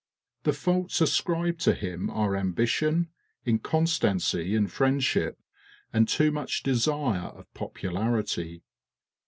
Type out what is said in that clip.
The faults ascribed to him are ambition, inconstancy in friendship, and too much desire of popularity.